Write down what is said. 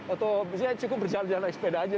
atau misalnya cukup berjalan jalan sepeda saja